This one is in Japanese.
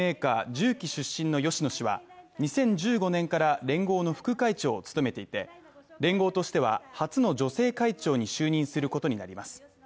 ＪＵＫＩ出身の芳野氏は２０１５年から連合の副会長を務めていて連合としては初の女性会長に就任することになります。